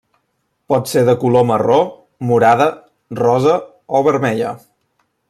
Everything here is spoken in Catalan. Pot ser de color marró, morada, rosa o vermella.